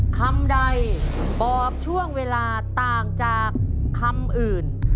คำใดบอกช่วงเวลาต่างจากคำอื่น